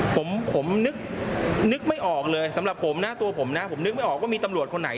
ผมผมนึกไม่ออกเลยสำหรับผมนะตัวผมนะผมนึกไม่ออกว่ามีตำรวจคนไหน